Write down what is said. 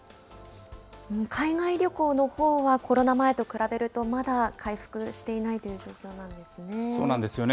海外旅行のほうは、コロナ前と比べると、まだ回復していないそうなんですよね。